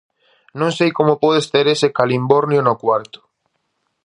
Non sei como podes ter ese calimbornio no cuarto.